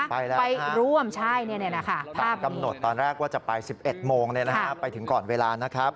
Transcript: ไปแล้วไปร่วมใช่ตามกำหนดตอนแรกว่าจะไป๑๑โมงไปถึงก่อนเวลานะครับ